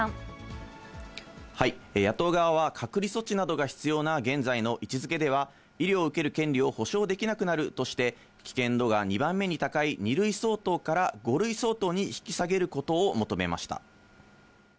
野党側は隔離措置などが必要な現在の位置づけでは、医療を受ける権利を保障できなくなるとして、危険度が２番目に高い２類相当から５類相当に引き下げることを求めました。